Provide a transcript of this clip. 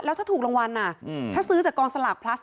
แล้วถ้าถูกรางวัลถ้าซื้อจากกองสลากพลัส